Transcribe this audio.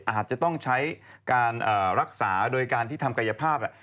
อาจจะต้องใช้การรักษาโดยการที่ทำกายภาพ